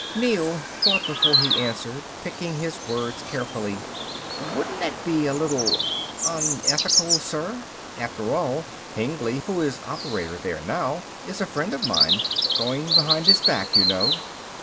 Neel thought before he answered, picking his words carefully. "Wouldn't that be a little ... unethical, sir? After all Hengly, who is operator there now, is a friend of mine. Going behind his back, you know."